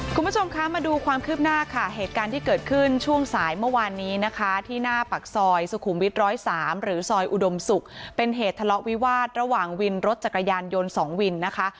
คุณผู้ชมคะมาดูความคืบหน้าค่ะเหตุการณ์ที่เกิดขึ้นช่วงสายเมื่อวานนี้นะคะที่หน้าปากซอยสุขุมวิท๑๐๓หรือซอยอุดมศุกร์เป็นเหตุทะเลาะวิวาสระหว่างวินรถจักรยานยนต์๒วินนะคะ